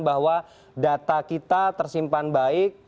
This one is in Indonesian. bahwa data kita tersimpan baik